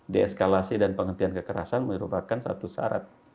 deeskalasi dan penghentian kekerasan merupakan satu syarat